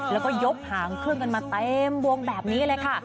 แล้วก็ยกหางเครื่องกันมาเต็มวงแบบนี้เลยค่ะ